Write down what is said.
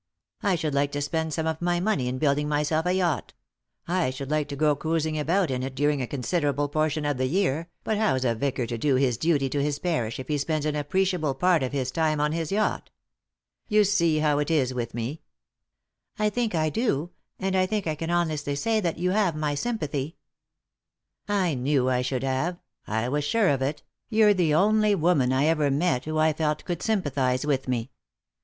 I should like to spend some of my money in building myself a yacht ; I should like to go cruising about in it during a considerable portion of the year, but how's a vicar to do his duty to his parish if he spends an appreciable part of his time on his yacht ? You see how it is with me?" " I think I do ; and I think I can honestly say that you have my sympathy." 85 3i 9 iii^d by Google THE INTERRUPTED KISS " I knew I should have ; I was sure of it ; you're the only woman I ever met who I felt could sympathise with me.